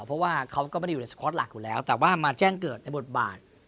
เพราะว่าเขาก็ไม่ได้อยู่ในสคอร์ตหลักอยู่แล้วแต่ว่ามาแจ้งเกิดในบทบาท